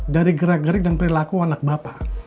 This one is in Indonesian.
dari gerak gerik dan perilaku anak bapak